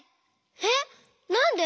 えっなんで？